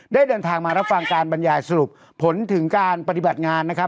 เดินทางมารับฟังการบรรยายสรุปผลถึงการปฏิบัติงานนะครับ